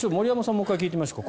もう１回聞いてみましょうか。